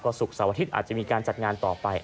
ศุกร์เสาร์อาทิตย์อาจจะมีการจัดงานต่อไป